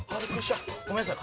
ごめんなさい。